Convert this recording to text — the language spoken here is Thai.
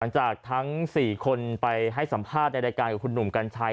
จากทั้ง๔คนไปให้สัมภาษณ์ในรายการกับคุณหนุ่มกัญชัย